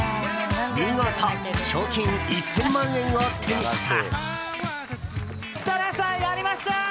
見事、賞金１０００万円を手にした。